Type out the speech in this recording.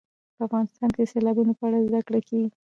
په افغانستان کې د سیلابونو په اړه زده کړه کېږي.